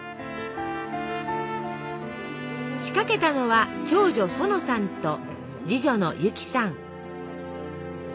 仕掛けたのは長女・園さんと次女の由樹さん。